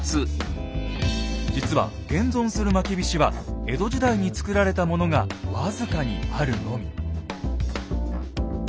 実は現存するまきびしは江戸時代に作られたものが僅かにあるのみ。